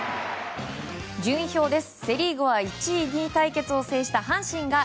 順位表です。